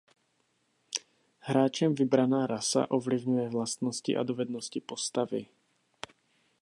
Hráčem vybraná rasa ovlivňuje vlastnosti a dovednosti postavy.